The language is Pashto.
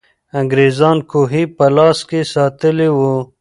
انګریزان کوهي په لاس کې ساتلې وو.